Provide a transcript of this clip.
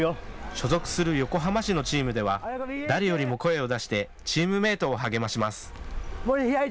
所属する横浜市のチームでは誰よりも声を出してチームメートを励まします。